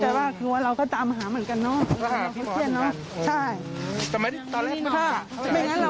เจรส์เหมือนกันค่ะ